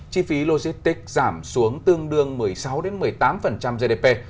chi phí logistics giảm xuống tương đương một mươi sáu một mươi tám gdp